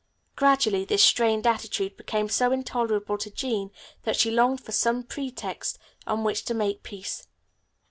Gradually this strained attitude became so intolerable to Jean that she longed for some pretext on which to make peace.